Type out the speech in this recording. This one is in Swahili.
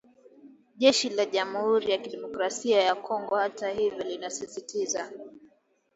Jeshi la jamhuri ya kidemokrasia ya Kongo hata hivyo linasisitiza